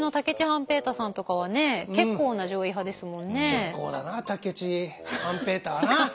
結構だな武市半平太はな。